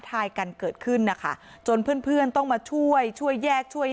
ทายกันเกิดขึ้นนะคะจนเพื่อนเพื่อนต้องมาช่วยช่วยแยกช่วย